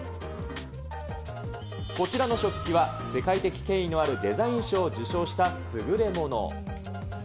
こちらの食器は、世界的権威のあるデザイン賞を受賞した優れもの。